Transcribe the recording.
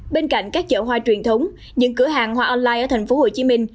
bên cạnh các chợ hoa truyền thống những cửa hàng hoa online ở thành phố hồ chí minh